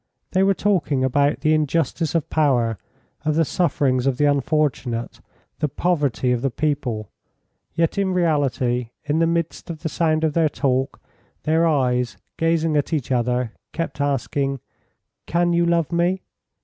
They were talking about the injustice of power, of the sufferings of the unfortunate, the poverty of the people, yet in reality in the midst of the sound of their talk their eyes, gazing at each other, kept asking, "Can you love me?"